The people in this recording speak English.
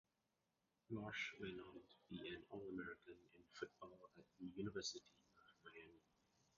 Losch went on to be an All-American in football at the University of Miami.